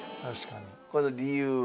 これの理由は？